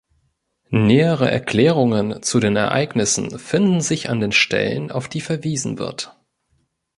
Nähere Erklärungen zu den Ereignissen finden sich an den Stellen, auf die verwiesen wird.